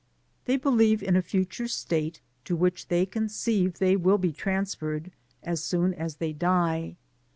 • They believe in a future state, to which they concave they will be transferred as soon as they die.